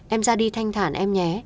em ra đi thanh thản em nhé